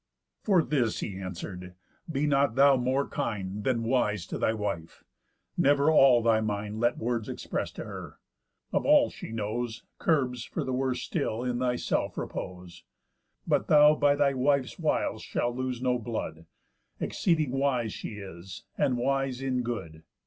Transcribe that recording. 'For this,' he answer'd, 'be not thou more kind Than wise to thy wife. Never all thy mind Let words express to her. Of all she knows, Curbs for the worst still, in thyself repose. But thou by thy wife's wiles shalt lose no blood, Exceeding wise she is, and wise in good.